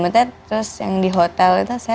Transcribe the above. terus yang di hotel itu saya